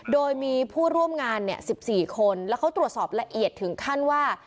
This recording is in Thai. โดยมีผู้ร่วมงาน๑๔คนแล้วเขาตรวจสอบละเอียดถึงขั้นว่า